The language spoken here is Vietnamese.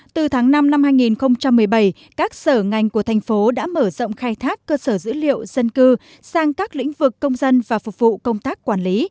từ tháng năm năm hai nghìn một mươi bảy các sở ngành của thành phố đã mở rộng khai thác cơ sở dữ liệu dân cư sang các lĩnh vực công dân và phục vụ công tác quản lý